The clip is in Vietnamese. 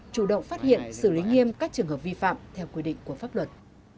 chủ động phát hiện xử lý nghiêm các trường hợp vi phạm theo quy định của pháp luật